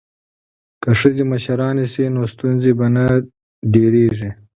که ښځې مشرانې شي نو ستونزې به نه ډیریږي.